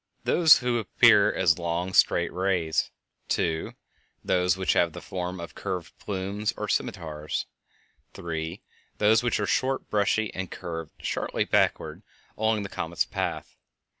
_ (1) Those which appear as long, straight rays; (2) Those which have the form of curved plumes or scimitars; (3) Those which are short, brushy, and curved sharply backward along the comet's path.